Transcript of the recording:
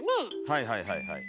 はいはいはいはい。